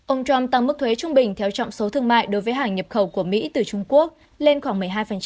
ông trump tăng mức thuế trung bình theo trọng số thương mại đối với hàng nhập khẩu của mỹ từ trung quốc lên khoảng một mươi hai